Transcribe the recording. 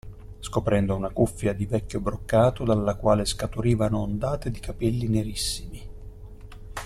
Scoprendo una cuffia di vecchio broccato dalla quale scaturivano ondate di capelli nerissimi.